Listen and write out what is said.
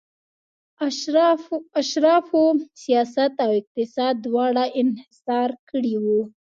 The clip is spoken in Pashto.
اشرافو سیاست او اقتصاد دواړه انحصار کړي وو